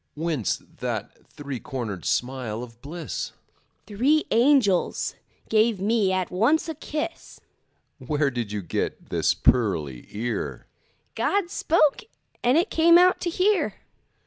Whence that three cornered smile of bliss? Three angels gave me at once a kiss. Where did you get this pearly ear? God spoke, and it came out to hear.